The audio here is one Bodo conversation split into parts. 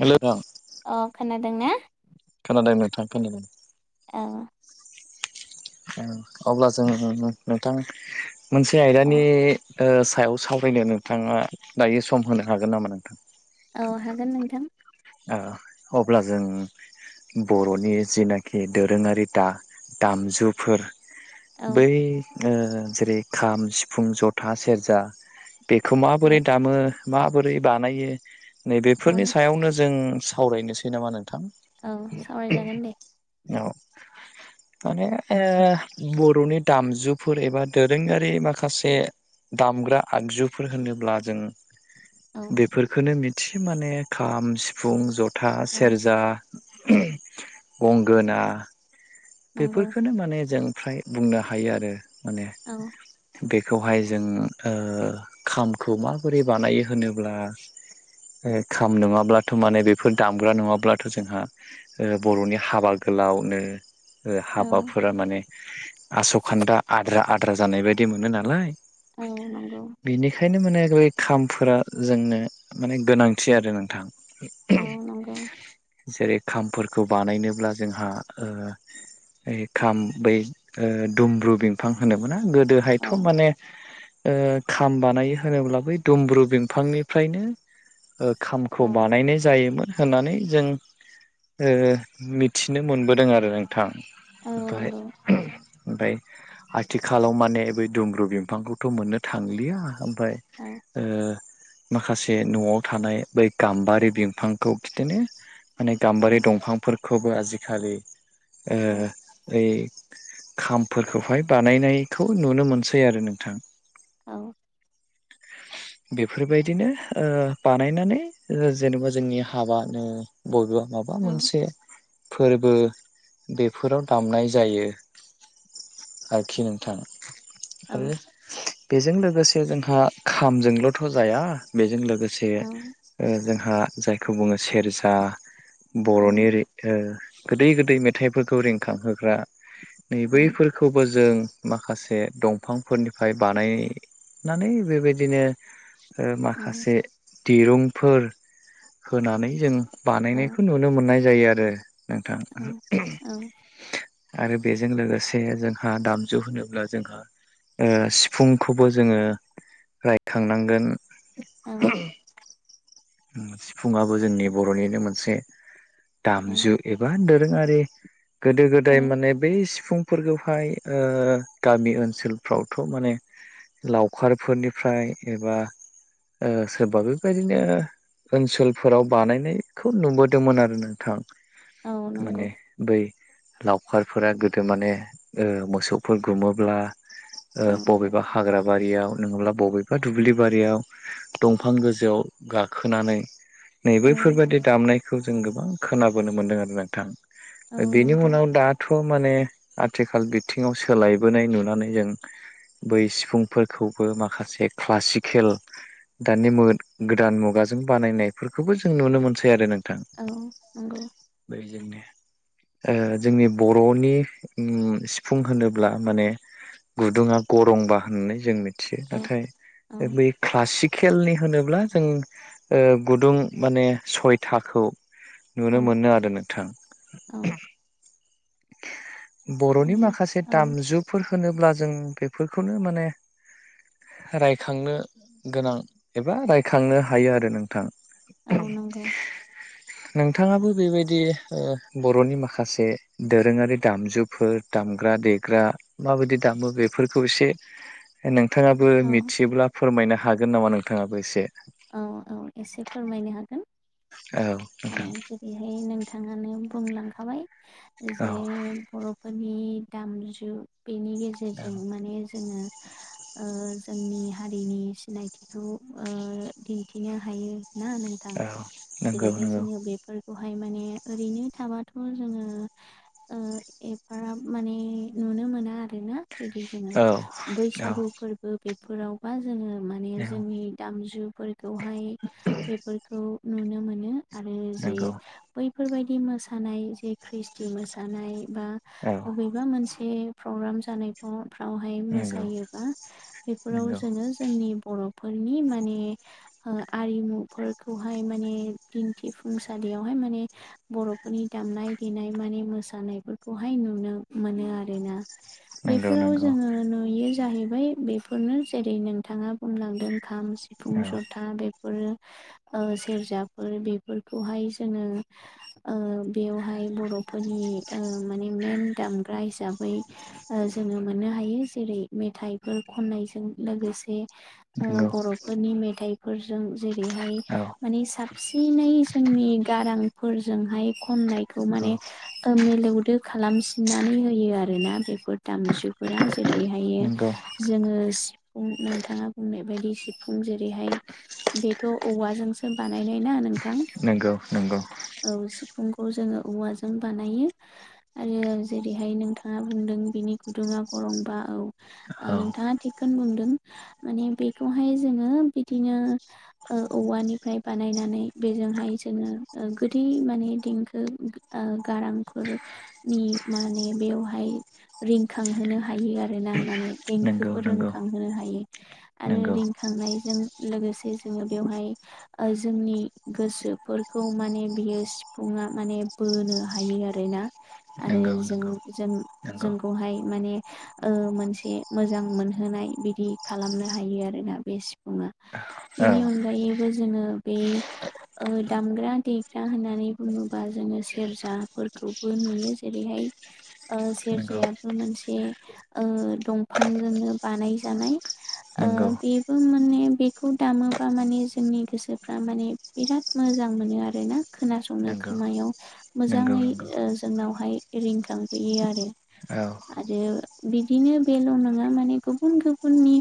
हेलौ। अ खोनादों ना। खोनादों नोंथां। औ। अब्ला जों नोंथां मोनसे औ आयदानि। ओ सायाव सावरायनो नोंथाङा दायो सम होनो हागोन नामा नोंथां। औ हागोन नोंथां ओ अब्ला जों। बर'नि जिनाखि दोरोङारि दा दामजुफोर। औ बै ओ जेरै खाम सिफुं जथा सेरजा। बेखौ औ माबोरै दामो माबोरै बानायो नैबेफोरनि औ सायावनो। जों सावरायनोसै नामा नोंथां? औ सावरायजागोन दे। औ माने बर'नि दामजुफोर एबा दोरोङारि माखासे। दामग्रा आगजुफोर होनोब्ला जों। औ बेफोरखौ मिथियो माने खाम सिफुं जथा औ सेरजा। गंगोना नंगौ बेफोरफोरखौनो माने जों। फ्राय बुंनो हायो आरो माने। औ बेखौहाय जों ओ खामखौ माबोरै बानायो होनोब्ला। ए उम खाम नङाब्ला। थ माने बेफोर दामग्रा नङाब्लाथ जोंहा बरनि हाबा गोलावनो। ओ औ हाबाफोरा माने आसखान्दा आद्रा आद्रा जानाय बायदि मोनो नालाय। औ नंगौ बेनिखायनो माने। बे खामफोरा जोंनो माने गोनांथि आरो नोंथां औ नंगौ जेरै खामफोरखौ बानायनोब्ला जोंहा ओ खाम बै ओ दुमब्रु बिफां होनो मोना गोदोहायथ' औ माने ओ खाम बानायो होनोब्ला बै दुमब्रु बिफांनिफ्रायनो ओ खाम खौ औ बानायनाय जायोमोन होननानै जों ओ मि थिनो मोनबोदों आरो नोंथां औ ओमफ्राय नंगौ ओमफ्राय आथिखालाव माने बै दुमब्रु बिफांखौथ' मोननो थांलिया ओमफफ्राय औ ओ माखासे न'आव थानाय बै गाम्बारि बिफांखौ बिदिनो माने गाम्बारि दंफांफोरखौबो आजिखालि ओ औ यै खामफोरखौहाय बानायनायखौ नुनो मोनसै आरो नोंथां औ बेफोरबायदिनो ओ बानायनानै जेनेबा जोंनि हाबानो बयेबा माबा औ मोनसे फोरबो बेफोराव दामनाय जायो आरोखि नोंथां आरो औ बेजों लोगोसे जोंहा खामजोंल'थ' जाया बेजों लोगो लोगोसे औ ओ जोंहा जायखौ बुङो सेरजा औ बर'नि ओ गोदै गोदै मेथाइफोरखौ रिंखांहोग्रा नै बैफोरखौबो जों माखासे दंफांफोरनिफ्राय बानायनानै बेबायदिनो ओ माखासे दिरुंफोर होनानै जों बानायनायखौ नुनो मोननाय जायो आरो नोंथां औ [unintelligible] आरो बेजों लोगोसे जोंहा दामजु होनोब्ला जोंहा ओ सिफुंखौबो जोङो रायखांनांगोन सिफुङाबो जोंनि बर'निनो मोनसे दामजु एबा दो रोङारि गोदो औ गोदाय माने बै सिफुंफोरखौहाय ओ गामि ओनसोलफ्रावथ' माने लावखारफोरनिफ्राय एबा ओ सोरबा बे बायदिनो ओनसोलफोराव बानायनायखौ नुबोदोंमोन आरो नोंथां औ नंगौ माने बै लावखारफोरा गोदो माने ओ मोसौफोर गुमोब्ला ओ औ बबेबा हाग्रा बारियाव नङाब्ला बबेबा दुब्लि बारियाव दंफां गो जौआव गाखोनानै नै औ बैफोरबायदि दामनायखौ जों गोबां खोनाबोनो मोन्दों आरो नोंथां औ ओम बेनि नंगौ उनाव दाथ' माने आथिखाल बिथिङाव सोलायबोनाय नुनानै जों बै सिफुंफोरखौबो माखासे क्लासिकेल दानि मो गोदान मुगाजों बानायनायफोरखौबो जों नुनो मोनसै आरो नों थां औ नंगौ बैजोंनो ओ जोंनि बर'नि ओ सिफुं होनोब्ला माने गुदुङा गरंबा होननानै जों मोन थियो औ नाथाय बै औ क्लासिकेलनि होनोब्ला जों ओ गुदुं माने सयथाखौ नुनो मोनो आरो नोंथां औ बर'नि माने माखासे औ दामजुफोर होनोब्ला जों बेफोरखौनो माने रायखांनो गोनां एबा रायखांनो हायो आरो नोंथां। औ नंगौ नोंथाङाबो बेबायदि ओ बर'नि माखासे दोरोङारि दामजुफोर दाम ग्रा देग्रा माबायदि दामो बेफोरखौ एसे नों थाङाबो औ मिथियोब्ला फोरमायनो हागोन नामा नोंथाङाबो एसे? औ औ एसे फोरमायनो हागोन। औ जेरैहाय नोंथाङानो बुंलांखाबाय जे औ बर' फोरनि दामजु बेनि गेजेरजों माने जोङो ओ जोंनि हारिनि सिनायथिखौ ओ दिन्थिनो हायो। ना नोंथां औ नंगौ जेरैहाय जो नंगौ फोरखौहाय माने ओरैनो थाबाथ' जोङो ओ एफाराब माने ए नुनो मोना आरोना जुदि जोङो औ औ बैसागु फोरबो बेफोरावबा जोङो माने औ जोंनि दामजुफोरखौहाय बेफोरखौ नुनो मोनो। आरो जे नंगौ बैफोरबायदि मोसानाय जे ख्रिष्टि मोसानाय बा औ अबेबा मोनसे प्रग्राम जानायफ्राव फ्रावहाय नंगौ मोसायोबा बेफोराव जोङो जोंनि बर'फोरनि माने ओ आरिमुफोरखौहाय माने दिन्थिफुंसालियावहाय माने बर'फोरनि दामनाय देनाय माने मोसानायफोरखौहाय नु नुनो मोनो आरो ना। नंगौ नंगौ बेफोराव जोङो नुयो जाहैबाय बेफोरनो जेरै नोंथाङा बुंलांदों खाम सिफुं औ जथा बेफोरो ओ सेरजा फोर बेफोरखौहाय जोङो ओ बेयाव हाय बर'फोरनि ओ माने मेन दामग्रा हिसाब बै ओ जोङो मोननो हायो जेरै मेथाइफोर खननायजों लोगोसे ओ नंगौ बर'फोरनि मेथाइफोरजों जेरैहाय औ माने साब सिनै जोंनि गारांफोरजोंहाय खननायखौ औ माने ओ मिलौ दो खालामसिननानै होयो आरो ना बेफोर। दामजुफोरा जेरैहायो नंगौ जोङो सिफुं नोंथाङा बुंनाय बायदि सिफुं जेरैहाय बेथ' औवाजोंसो बानायनाय ना नों नंगौ नंगौ। फुंखौ जोङो औवाजों बानायो आरो जेरैहाय नोंथाङा बुंदों बेनि गुदुं ङा गंलंबा औ ओ औ नोंथाङा थिगखौनो बुं दों। माने बेखौहाय जोङो बिदिनो ओ औवानिफ्राय बानायनानै बेजोंहाय जोङो ओ गोदै माने देंखो ओ गारांफोर नि माने बेवहाय रिंखांहोनो हायो आरो ना माने नंगौ देंखोफोरों नंगौ खांहोनो हायो आरो नंगौ रिंखांनायजों लोगोसे जोङो बेवहाय। ओ जोंनि गोसोफोरखौ माने बियो सिफुङा माने बोनो हायो आरो ना आरो नंगौ जों नंगौ जों नंगौ जोंखौहाय माने ओ मोनसे मोजां मोनहोनाय बिदि खालामनो हायो आरोना बे सिफुङा औ बेनि अनगायैबो जो जोङो बे ओ दामग्रा देग्रा होननानै बुङोबा जोङो सेर्जाफोरख‌ खौबो नुयो जेरैहाय ओ नंगौ सेर्जायाबो मोनसे ओ दंफां जोंनो बानाय जानाय ओ नंगौ बेबो माने बेखौ दामोबा माने जोंनि गोसोफ्रा माने बिराद मोजां मोनो आरोना खोनासंनो नंगौ खोमायाव नंगौ मोजाङै नंगौ ओ जोंनावहाय रिंखांफयो आरो। औ आरो बिदिनो बेल' नङा माने गुबुन गुबुननि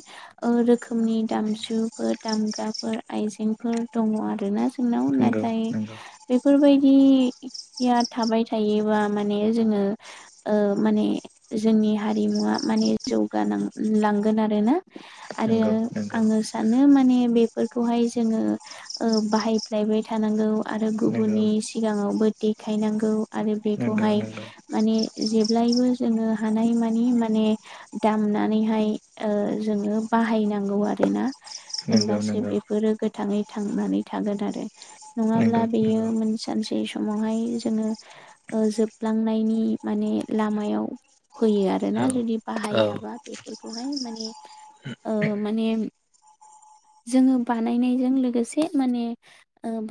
ओ रोखोमनि दाम मजुफोर दामग्राफोर आइजें फोर दङ' आरोना जोंनाव नंगौ नाथाय नंगौ बेफोरबायदि या थाबाय थाय योबा माने जोङो ओ माने जोंनि हारिमुवा माने जौगा नांग उ लांगोन आरोना आरो नंगौ नंगौ आङो सानो माने बेफोरखौहाय जोङो ओ बाहायफ्लायबाय थानांगौ आरो नंगौ गुबुननि सिगाङावबो देखायनांगौ। उ आरो नंगौ नंगौ बेखौहाय माने जेब्लायबो जोङो हानाय मानि माने दा उमनानै ओ जोङो बाहायनांगौ आरोना नंगौ होनबासो नंगौ बेफोरो गोद थाङै थांनानै थागोन आरो नङाब्ला नंगौ बेयो नंगौ सानसे समावहाय जोङो जोबलांनायनि माने लामायाव फैयो आरोना औ जुदि औ बाहायाबा बेफोरखौहाय माने माने जोङो बानाय बानायनायजों लोगोसे माने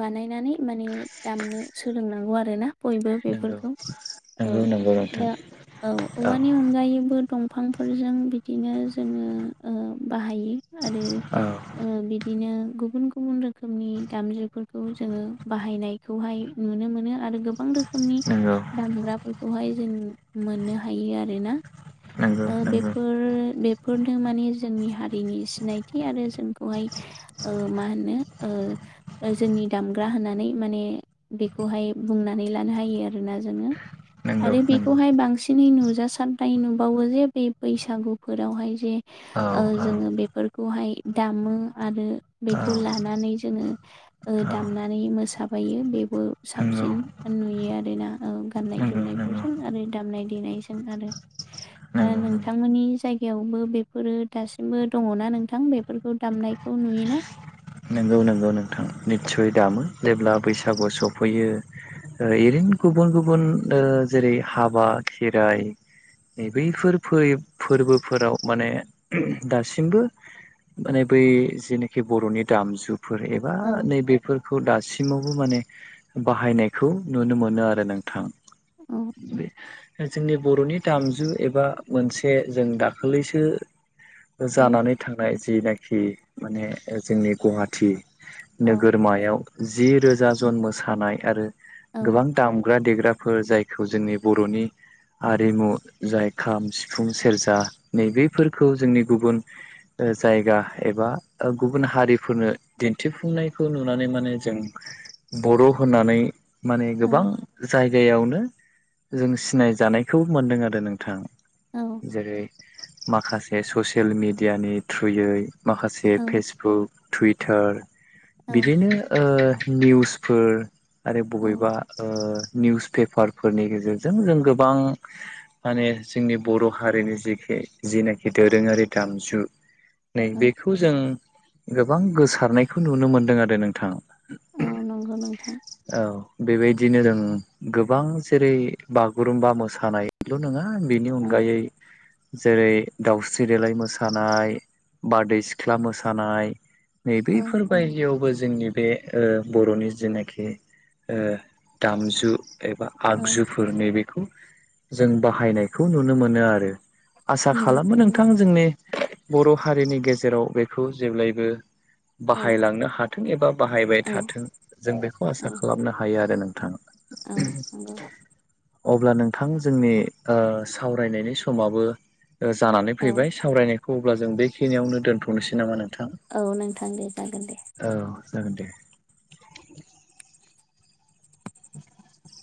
बानायनानै माने दामनो सोलोंनांगौ आरो ना बयबो नंगौ बेफोरखौ औ नंगौ नंगौ नोंथां दा औ औवानि अनगायैबो दंफांफोरजों बिदिनो जोङो बाहायो। आरो औ बिदिनो गुबुन गुबुन रोखोमनि दामजुफोरखौ जोङो बाहायनायखौहाय नुनो मोनो आरो गोबां रोखोमनि नंगौ दामग्राफोरखौहाय जों मोननो हायो आरोना। नंगौ नंगौ बेफोर बेफोरनो माने जोंनि हारिनि सिनायथि आरो जोंखौहाय मा होनो जोंनि दामग्रा होननानै माने बेखौहाय बुंनानै लानो हायो आरोना जोङो नंगौ आरो नंगौ बेखौहाय बांसिन नै नुजासारनाय नुबावो जे बे बैसागुफोरावहाय जे औ औ जोङो बेफोर फोरखौहाय दामो आरो। औ बेखौ लानानै जोङो औ दामनानै मोसाबायो बेबो नंगौ साबसिन नुयो आरोना गाननाय नंगौ नंगौ जोमनायफोरजों आरो दामनाय देनायजों आरो नंगौ नोंथांमोननि जायगायावबो बेफोरो दासिमबो दङना नोंथां बेफोरखौ दामनायखौ नुयोना। नंगौ नंगौ नोंथां निस्सय दामो जेब्ला बैसागु सफैयो। ओरैनो गुबुन गुबुन ओ जेरै हाबा खेराइ नै बैफोर फै फोरबोफोराव माने दासिमबो माने बै जेनाखि बर'नि दामजुफोर एबा औ नैबेफोर खौ दासिमावबो माने बाहायनायखौ नुनो मोनो आरो नोंथां। औ बे जोंनि बर'नि दामजु एबा मोनसे जों दाखालैसो औ जानानै थांनाय जिनाखि माने जोंनि गुवाहाटि औ नोगोरमायाव जि रोजा जन मोसानाय आरो औ गोबां दामग्रा-दे ग्राफोर जायखौ जोंनि बर'नि आरिमु जाय खाम, सिफुं, सेरजा नैबेफोरखौ जोंनि गुबुन ओ जायगा एबा गुबुन हारिफोरनो दिन्थिफुंनायखौ नुनानै माने जों बर' होननानै माने गोबां जायगायावनो जों सिनाय जानायखौ मोनदों आरो नोंथां। औ जेरै माखासे ससियेल मिडियानि थ्रुयै माखासे फेसबुक टुइटार औ बिदिनो ओ निउसफोर आरो औ बबेबा ओ निउस पेपारफोरनि गेजेरजों जों गोबां माने जोंनि बर' हारिनि जिखि जेनाखि दोरोङारि दामजु नै बेखौ जों गोबां गोसारनायखौ नुनो मोनदों आरो नोंथां। औ नंगौ नोंथां औ बेबायदिनो जों गोबां जेरै बागुरुम्बा मोसानायल' नङा बेनि औ अनगायै जेरै दाउस्रि देलाय मोसानाय बारदै सिख्ला मोसानाय औ नैबेफोरबायदियावबो जोंनि बे ओ बर'नि जेनाखि दामजु एबा औ आगजुफोर नैबेखौ जों बाहायनायखौ नुनो मोनो आरो आसा खालामो नंगौ नोंथां जोंनि बर' हारिनि गेजेराव बेखौ जेब्लायबो औ बाहायलांनो हाथों एबा बाहायबाय औ थाथों जों बेखौ आसा खालामनो हायो आरो नोंथाङा। औ नंगौ अब्ला नोंथां जोंनि ओक्षसावरायनायनि समाबो जानानै औ फैबाय सावरायनायखौ अब्ला जों बेखिनियावनो दोनथ'नोसै नामा नों थां औ नोंथां दे जागोन दे औ जागोन दे [inaudible]